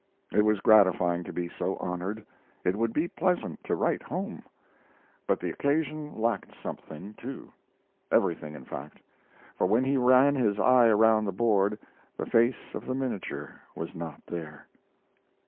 It was gratifying to be so honored; it would be pleasant to write home; but the occasion lacked something too everything, in fact for when he ran his eye around the board the face of the minature was not there.